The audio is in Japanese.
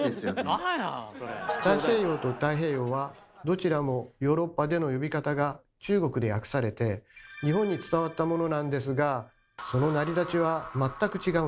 「大西洋」と「太平洋」はどちらもヨーロッパでの呼び方が中国で訳されて日本に伝わったものなんですがその成り立ちは全く違うんです。